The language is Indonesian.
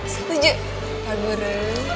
setuju pak guru